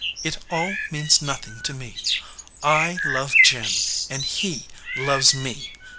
It all means nothing to me. I love Jim, and he loves me.